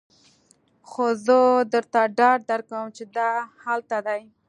خو زه درته ډاډ درکوم چې دا هلته دی